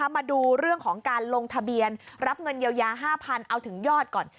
มาดูเรื่องของการลงทะเบียนรับเงินเยียวยา๕๐๐เอาถึงยอดก่อน